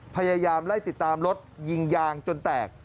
พยายามไล่ติดตามรถยิงยางจนแตก